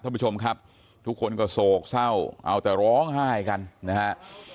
ท่านผู้ชมครับทุกคนก็โศกเศร้าเอาแต่ร้องไห้กันนะฮะ